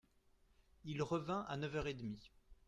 Il revint à neuf heures et demie.